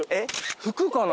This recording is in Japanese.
服かな。